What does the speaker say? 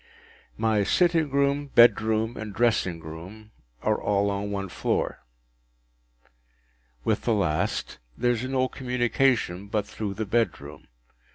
My sitting room, bedroom, and dressing room, are all on one floor. With the last there is no communication but through the bedroom.